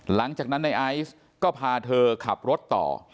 หลังจากนั้นในไอซ์ก็พาเธอขับรถต่อ